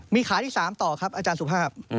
มีขาที่๓ต่อครับอาจารย์สุภาพ